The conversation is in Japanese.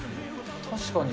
確かに。